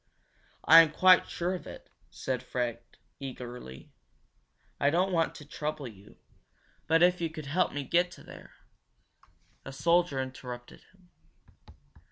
"I am quite sure of it," said Fred, eagerly. "I don't want to trouble you, but if you could help me to get there " A soldier interrupted him.